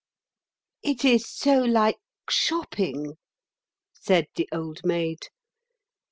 "It is so like shopping," said the Old Maid.